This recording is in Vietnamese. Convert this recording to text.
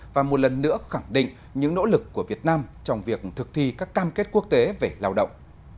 và một lần nữa khẳng định những nỗ lực của việt nam trong việc thực thi các cam kết quốc tế về lao động